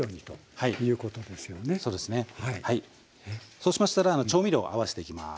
そうしましたら調味料を合わせていきます。